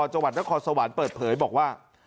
จังหวัดนครสวรรค์เปิดเผยบอกว่า